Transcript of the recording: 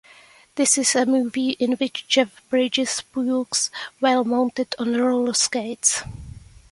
This is a movie in which Jeff Bridges pukes while mounted on roller skates.